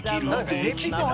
できない？